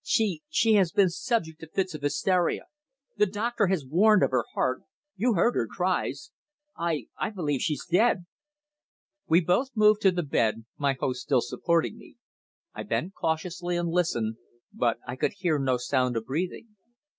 "She she has been subject to fits of hysteria. The doctor has warned her of her heart. You heard her cries. I I believe she's dead!" We both moved to the bed, my host still supporting me. I bent cautiously and listened, but I could hear no sound of breathing.